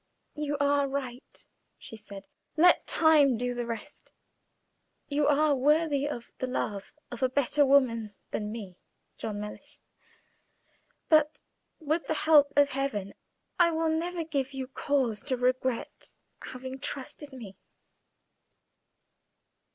"You are right," she said; "let time do the rest. You are worthy of the love of a better woman than me, John Mellish; but, with the help of Heaven, I will never give you cause to regret having trusted me."